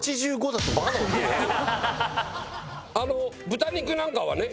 豚肉なんかはね